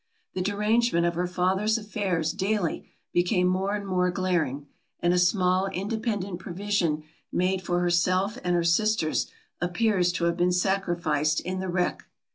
The derangement of her father's affairs daily became more and more glaring; and a small independent provision made for herself and her sisters, appears to have been sacrificed in the wreck.